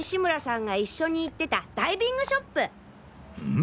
ん？